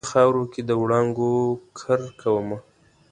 په دې خاورو کې د وړانګو کرکومه